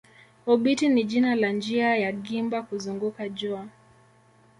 Obiti ni jina la njia ya gimba kuzunguka jua.